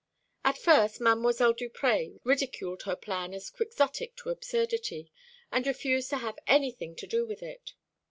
At first Mdlle. Duprez ridiculed her plan as Quixotic to absurdity, and refused to have anything to do with it.